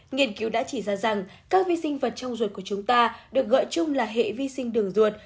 nghiên cứu đã chỉ ra rằng các vi sinh vật trong ruột của chúng ta được gọi chung là hệ vi sinh đường ruột